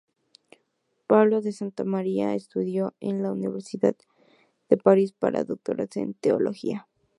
Pablo de Santa María estudió en la Universidad de París para doctorarse en Teología.